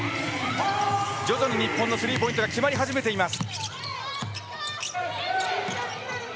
徐々に日本のスリーポイントが決まりはじめています。